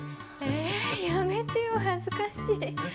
えやめてよ恥ずかしい。